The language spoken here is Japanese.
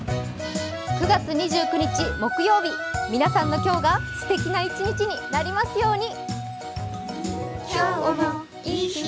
９月２９日木曜日皆さんの今日がすてきな一日になりますように。